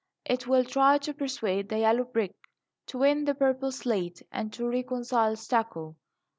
It will try to persuade the yellow brick, to win the purple slate, to reconcile stucco.